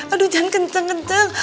aduh jangan kenceng kenceng